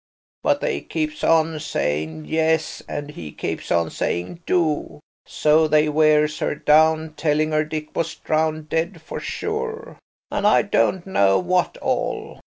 But they keeps on saying 'Yes,' and he keeps on saying 'Do!' So they wears her down, telling her Dick was drowned dead for sure, and I don't know what all.